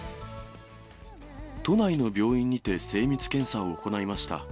都内の病院にて精密検査を行いました。